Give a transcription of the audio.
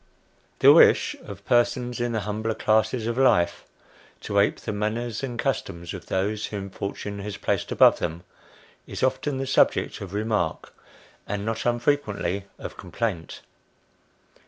THE wish of persons in the humbler classes of life, to ape the manners and customs of those whom fortune has placed above them, is often the subject of remark, and not unfrequently of complaint.